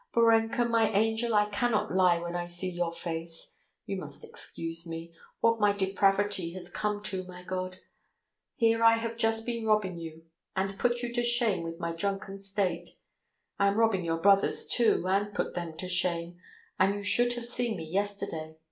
Borenka, my angel, I cannot lie when I see your face. You must excuse me. ... What my depravity has come to, my God. Here I have just been robbing you, and put you to shame with my drunken state; I am robbing your brothers, too, and put them to shame, and you should have seen me yesterday!